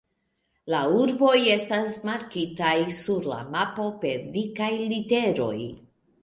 La urboj estas markitaj sur la mapo per dikaj literoj.